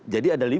jadi ada lima